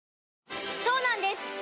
そうなんです